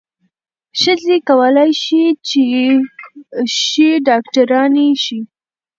ښځې کولای شي چې ښې ډاکټرانې شي.